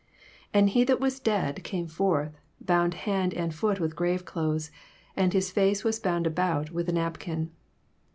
44 And he that was dead came forth, bound hand and foot with graveclothes: and his face was bound about with a napkin.